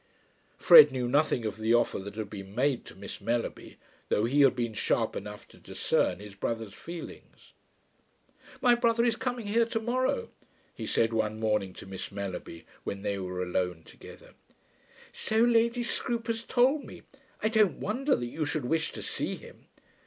Fred knew nothing of the offer that had been made to Miss Mellerby, though he had been sharp enough to discern his brother's feelings. "My brother is coming here to morrow," he said one morning to Miss Mellerby when they were alone together. "So Lady Scroope has told me. I don't wonder that you should wish to see him."